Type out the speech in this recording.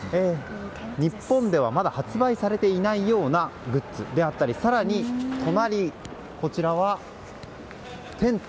日本ではまだ発売されていないようなグッズであったり更に、隣にはテント。